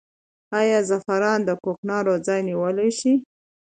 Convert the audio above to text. آیا زعفران د کوکنارو ځای نیولی شي؟